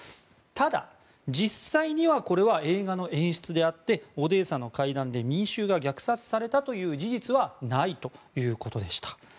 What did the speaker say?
ただ、実際にはこれは映画の演出であってオデーサの階段で民衆が虐殺されたという事実はないということでした。